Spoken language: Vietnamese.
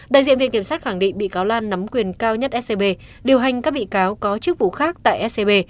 đại diện viện kiểm sát khẳng định bị cáo lan nắm quyền cao nhất scb điều hành các bị cáo có chức vụ khác tại scb